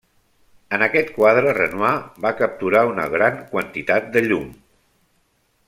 En aquest quadre Renoir va capturar una gran quantitat de llum.